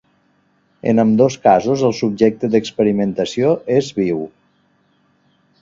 En ambdós casos el subjecte d'experimentació és viu.